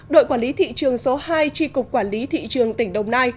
đội quản lý thị trường số hai tri cục quản lý thị trường tỉnh đồng nai